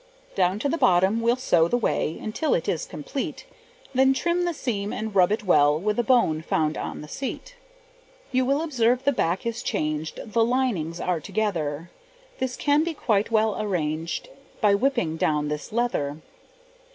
Down to the bottom we'll sew the way, Until it is complete; Then trim the seam, and rub it well With a bone found on the seat. You will observe the back is changed, The linings are together; This can be quite well arranged By whipping down this leather.